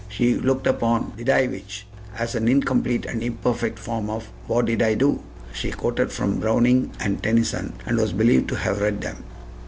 She looked upon "Did I which?" as an incomplete and imperfect form of "What did I do?" She quoted from Browning and Tennyson, and was believed to have read them.